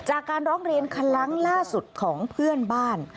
จากการร้องเรียนครั้งล่าสุดของเพื่อนบ้าน